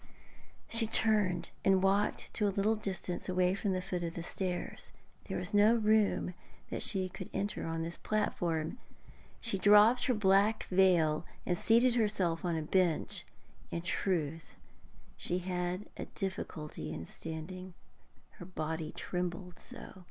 She turned and walked to a little distance away from the foot of the stairs. There was no room that she could enter on this platform. She dropped her black veil, and seated herself on a bench. In truth she had a difficulty in standing, her body trembled so.